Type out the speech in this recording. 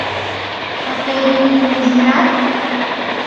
— А тый нуным ужынат?